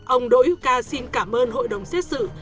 ông đỗ hữu ca xin cảm ơn hội đồng xét xử